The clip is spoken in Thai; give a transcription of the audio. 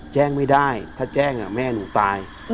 แจ้งไม่ได้ถ้าแจ้งแม่หนูตาย